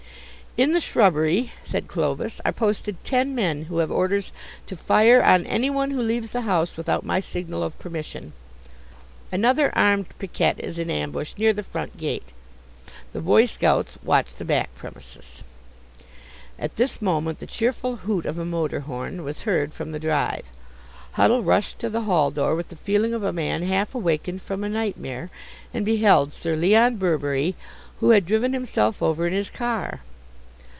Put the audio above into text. "In the shrubbery," said Clovis, "are posted ten men who have orders to fire on anyone who leaves the house without my signal of permission. Another armed picquet is in ambush near the front gate. The Boy scouts watch the back premises." At this moment the cheerful hoot of a motor horn was heard from the drive. Huddle rushed to the hall door with the feeling of a man half awakened from a nightmare, and beheld Sir Leon Birberry, who had driven himself over in his car.